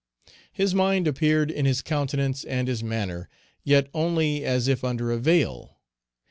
His mind appeared in his countenance and his manner, yet only as if under a veil.